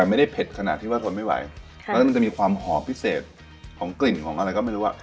แต่ไม่ได้เผ็ดขนาดที่ว่าทนไม่ไหวแล้วมันจะมีความหอมพิเศษของกลิ่นของอะไรก็ไม่รู้อ่ะ